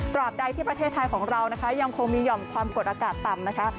บใดที่ประเทศไทยของเรานะคะยังคงมีห่อมความกดอากาศต่ำนะคะ